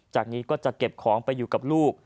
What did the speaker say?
จากนี้ก็จะเก็บของไปอยู่กับลูก